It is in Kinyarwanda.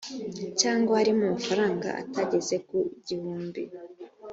cyangwa hariho amafaranga atageze ku gihumbi